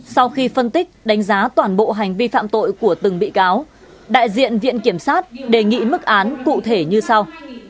sau khi phân tích đánh giá toàn bộ hành vi phạm tội của từng bị cáo đại diện viện kiểm sát đề nghị mức án cụ thể như sau